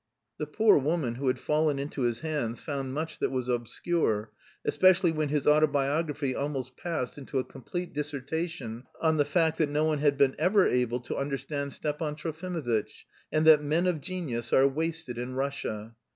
The poor woman who had fallen into his hands found much that was obscure, especially when his autobiography almost passed into a complete dissertation on the fact that no one had been ever able to understand Stepan Trofimovitch, and that "men of genius are wasted in Russia."